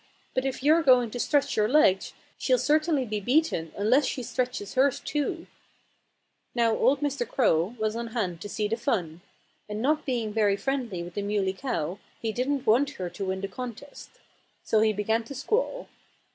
But if you're going to stretch your legs she'll certainly be beaten unless she stretches hers too." Now, old Mr. Crow was on hand to see the fun. And not being very friendly with the Muley Cow he didn't want her to win the contest. So he began to squall.